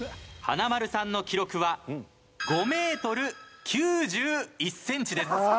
華丸さんの記録は５ｍ９１ｃｍです。